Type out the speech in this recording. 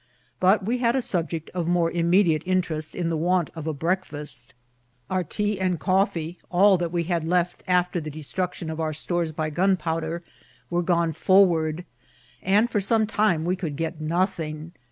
But we had a subject of more immediate interest in the want of a breakfast. Our tea and coffee, all that we had left after the de struction of our stores by gunpowder, were gone for ward, and for some time we could get nothing.